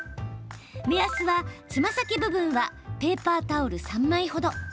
目安は、つま先部分はペーパータオル３枚ほど。